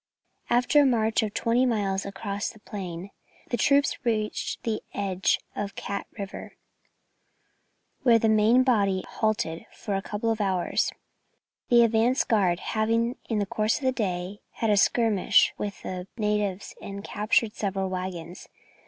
After a march of twenty miles across the plain, the troops reached the edge of the Kat River, where the main body halted for a couple of hours, the advance guard having in the course of the day had a skirmish with the natives and captured several waggons.